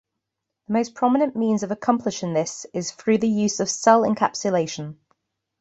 The most prominent means of accomplishing this is through the use of cell encapsulation.